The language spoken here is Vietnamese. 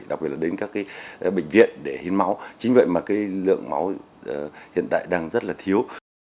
đặc biệt là đến các bệnh viện để hiến máu chính vậy mà lượng máu hiện tại đang rất là thiếu